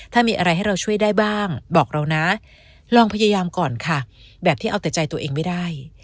ถ้ามีอะไรให้เราช่วยได้บ้างบอกเรานะลองพยายามก่อนค่ะแบบที่เอาแต่ใจตัวเองไม่ได้